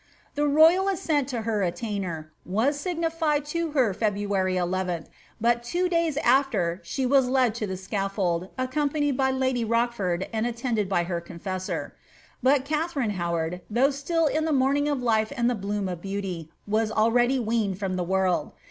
The royal assent to her attainder was signified to her February 1 1 th) ind but two days after she was led to the scalTuld, accompanied by lady Rochford, and attended by her confessor. But Katharine Howard, ihougn nil in ibe morning of life and the bloom of beauty, was already weaned froio ihe world.